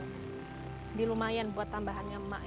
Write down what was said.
jadi lumayan buat tambahannya emak ya